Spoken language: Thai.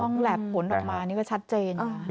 เป็นห้องแล็บผลออกมานี่ก็ชัดเจน